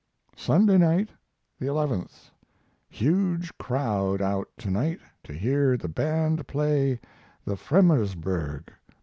Sunday night, 11th. Huge crowd out to night to hear the band play the "Fremersberg."